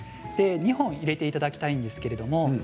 ２本入れていただきたいんですけれど